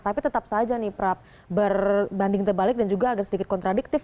tapi tetap saja nih prap berbanding terbalik dan juga agak sedikit kontradiktif